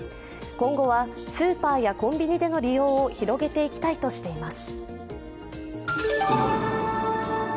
今後はスーパーやコンビニでの利用を広げていきたいとしています。